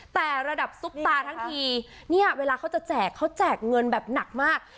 แต่ระดับซุปตาทั้งทีเนี่ยเวลาเขาจะแจกเขาแจกเงินแบบหนักมาก